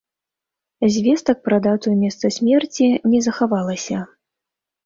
Звестак пра дату і месца смерці не захавалася.